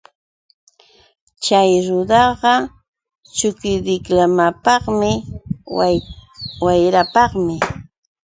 Chay rudaqa chukidiklimapaqtaqmi, wayrapaq.